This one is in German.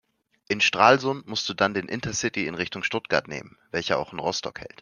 In Stralsund musst du dann den Intercity in Richtung Stuttgart nehmen, welcher auch in Rostock hält.